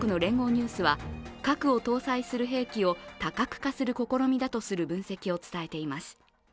ニュースは核を搭載する兵器を多角化する試みだとする分析を伝えています。